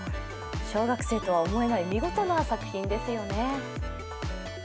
小学生とは思えない見事な作品ですよね。